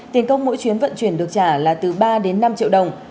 tiền công mỗi chuyến vận chuyển được trả là từ ba đến năm triệu đồng